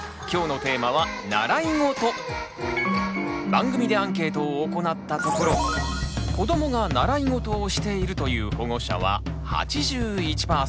今日のテーマは番組でアンケートを行ったところ「子どもが習い事をしている」という保護者は８１％！